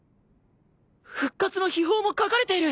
復活の秘法も書かれている！